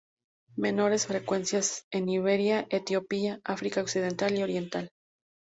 Menores frecuencias en Iberia, Etiopía, África Occidental y Oriental.